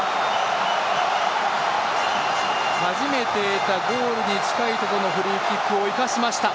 初めて得たゴールに近いところのフリーキックを生かしました！